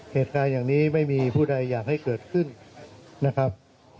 เหตุการณ์อย่างนี้ไม่มีผู้ใดอยากให้เกิดขึ้นนะครับ